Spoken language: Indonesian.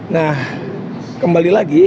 nah kembali lagi